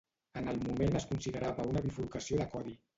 En el moment es considerava una bifurcació de codi.